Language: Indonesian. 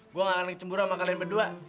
gue gak akan cemburu sama kalian berdua